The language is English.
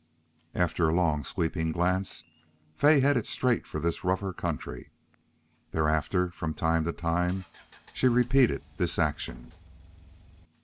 After a long, sweeping glance Fay headed straight for this rougher country. Thereafter from time to time she repeated this action.